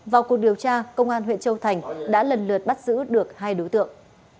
vào cuộc điều tra công an huyện châu thành đã lần lượt bắt giữ được hai đối tượng